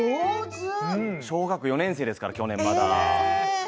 小学４年生ですから去年までは。